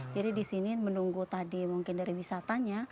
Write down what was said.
jadi di sini menunggu tadi mungkin dari wisatanya